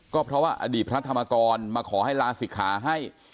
ก็เพราะว่าอดีตพระธรรมกรมาขอให้ลาศิกขาให้